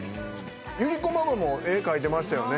百合子ママも絵描いてましたよね